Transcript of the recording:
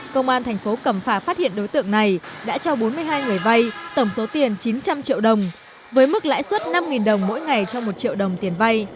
công an thành phố cẩm phả phát hiện đối tượng này đã cho bốn mươi hai người vai tổng số tiền chín trăm linh triệu đồng với mức lãi suất năm đồng mỗi ngày cho một triệu đồng tiền vay